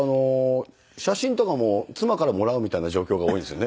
写真とかも妻からもらうみたいな状況が多いんですよね。